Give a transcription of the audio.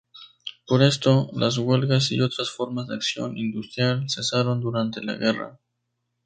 Por esto, las huelgas y otras formas de acción industrial cesaron durante la guerra.